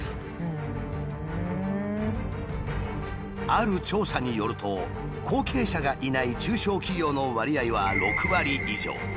ある調査によると後継者がいない中小企業の割合は６割以上。